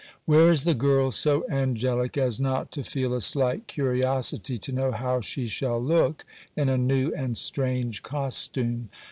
Where is the girl so angelic as not to feel a slight curiosity to know how she shall look in a new and strange costume?